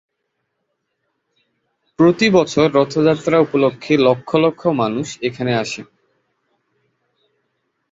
প্রতি বছর রথযাত্রা উপলক্ষে লক্ষ লক্ষ মানুষ এখানে আসে।